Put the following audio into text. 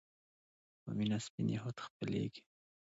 په مينه سپين يهود خپلېږي